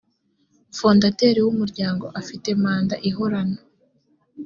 fondateri w umuryango afite manda ihorano